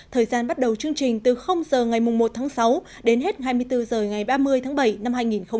thời gian bắt đầu chương trình từ h ngày một tháng sáu đến hết hai mươi bốn h ngày ba mươi tháng bảy năm hai nghìn hai mươi